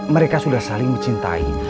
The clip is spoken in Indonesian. mereka sudah saling mencintai